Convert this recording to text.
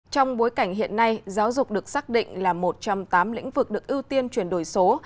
trong bối cảnh hiện nay giáo dục được xác định là một trong tám lĩnh vực được ưu tiên chuyển đổi số